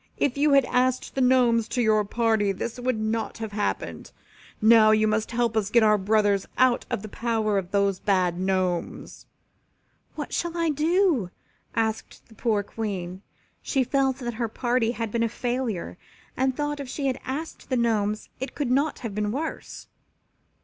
"If you had asked the Gnomes to your party this would not have happened. Now you must help us to get our brothers out of the power of those bad Gnomes. "What shall I do?" asked the poor Queen. She felt that her party had been a failure and thought if she had asked the Gnomes it could not have been worse.